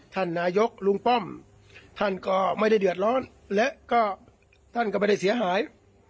ท่านนายกลุงป้อมท่านก็ไม่ได้เดือดร้อนและก็ท่านก็ไม่ได้เสียหาย